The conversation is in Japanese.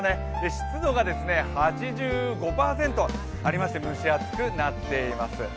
湿度が８５％ありまして蒸し暑くなっております。